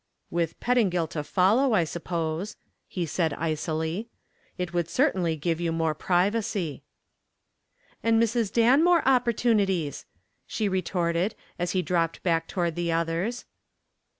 "With Pettingill to follow, I suppose," he said, icily. "It would certainly give you more privacy." "And Mrs. Dan more opportunities," she retorted as he dropped back toward the others.